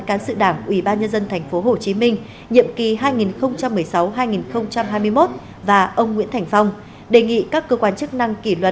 cán sự đảng ubnd tp hcm nhiệm kỳ hai nghìn một mươi sáu hai nghìn hai mươi một và ông nguyễn thành phong đề nghị các cơ quan chức năng